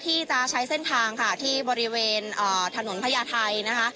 ที่จะใช้เส้นทางค่ะที่บริเวณถนนพญาไทยนะคะ